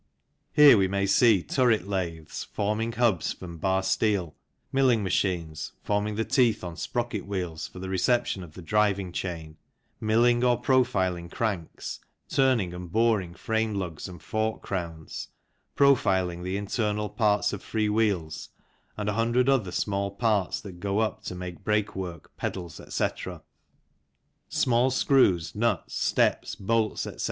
Here we may see turret lathes, forming hubs from bar steel, milling machines, forming the teeth on sprocket wheels for the reception of the driving chain, milling or profiling cranks, turning and boring frame lugs and fork crowns, profiling the internal parts of free wheels, and a hundred other small parts that go to make up brakework, pedals, etc. Small screws, nuts, steps, bolts, etc.